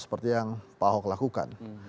seperti yang pak ahok lakukan